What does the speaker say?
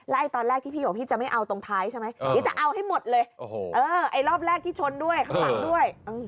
ตอนแรกที่พี่บอกพี่จะไม่เอาตรงท้ายใช่ไหมพี่จะเอาให้หมดเลยไอ้รอบแรกที่ชนด้วยข้างหลังด้วย